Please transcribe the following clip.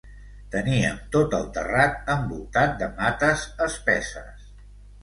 Teníem tot el terrat envoltat de mates espesses.